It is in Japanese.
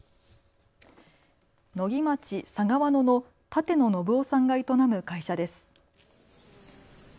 野木町佐川野の舘野信男さんが営む会社です。